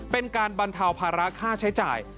เป็นการบรรเทาภาระค่าใช้จ่าย